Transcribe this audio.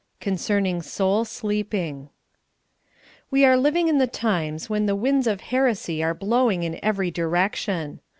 CONCERNING SOUL SLEEPING. WE are living in the times when the winds of her esy are blowing in every direction.